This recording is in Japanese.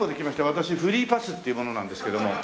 私フリーパスっていう者なんですけども。